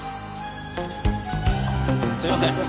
すいません。